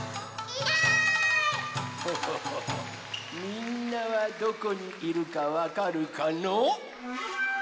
みんなはどこにいるかわかるかの？